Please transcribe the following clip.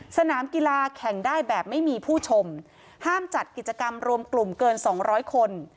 สนามกีฬาแข่งได้แบบไม่มีผู้ชมห้ามจัดกิจกรรมรวมกลุ่มเกิน๒๐๐คน